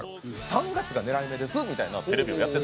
３月が狙い目ですみたいなテレビやってたんですよ。